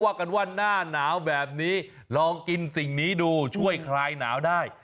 ว่ากันว่าหน้าหนาวแบบนี้ลองกินสิ่งนี้ดูช่วยคลายหนาวได้